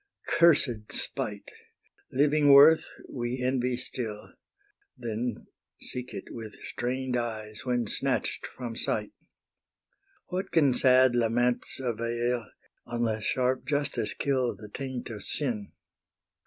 cursed spite! Living worth we envy still, Then seek it with strain'd eyes, when snatch'd from sight. What can sad laments avail Unless sharp justice kill the taint of sin?